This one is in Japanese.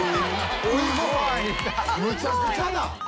むちゃくちゃな」